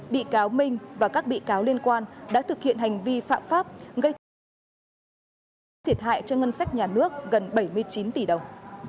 bị cáo minh và các bị cáo liên quan đã thực hiện hành vi phạm pháp gây thiệt hại cho ngân sách nhà nước gần bảy mươi chín tỷ đồng